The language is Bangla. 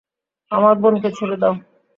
আমার বোনকে ছেড়ে দাও।